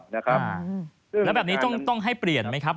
แล้วแบบนี้ต้องให้เปลี่ยนไหมครับ